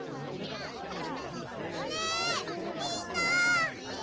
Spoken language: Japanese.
ねえみんな！